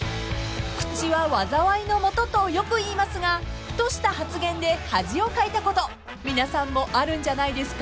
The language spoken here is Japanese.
［口は災いの元とよく言いますがふとした発言で恥をかいたこと皆さんもあるんじゃないですか？］